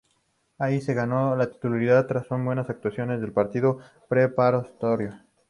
Allí se ganó la titularidad tras sus buenas actuaciones en los partidos preparatorios.